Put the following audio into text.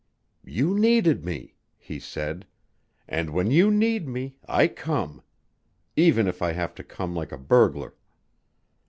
"You needed me," he said. "And when you need me I come even if I have to come like a burglar."